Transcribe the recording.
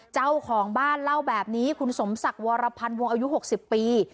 เจ้าของบ้านเล่าแบบนี้คุณสมศักดิ์วรพันวงอายุ๖๐ปี